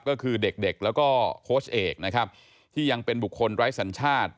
ก็คือเด็กเด็กแล้วก็โค้ชเอกนะครับที่ยังเป็นบุคคลไร้สัญชาติ